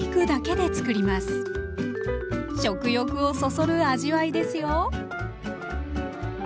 食欲をそそる味わいですよ。